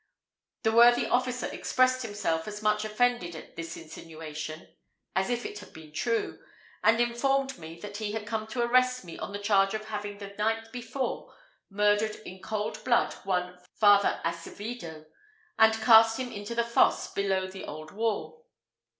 The worthy officer expressed himself as much offended at this insinuation as if it had been true, and informed me that he had come to arrest me on the charge of having the night before murdered in cold blood one Father Acevido, and cast him into the fosse below the old wall.